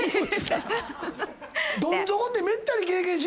どん底ってめったに経験しないぞ。